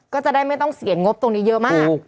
ก็จะได้ไม่ต้องเสียงบตรงนี้เยอะมาก